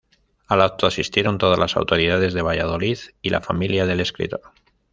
Al acto asistieron todas las autoridades de Valladolid y la familia del escritor.